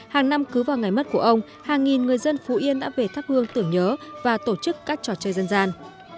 hàng năm cứ vào ngày mất của ông hàng nghìn người dân phú yên đã về thắp hương tưởng nhớ và tổ chức các trò chơi dân gian